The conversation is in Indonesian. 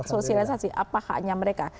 sosialisasi apakah hanya mereka